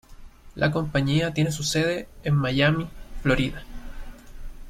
La compañía tiene su sede en Miami, Florida.